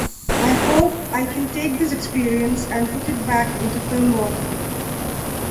I hope I can take this experience and put it back into film work.